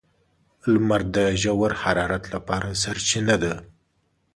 • لمر د ژور حرارت لپاره سرچینه ده.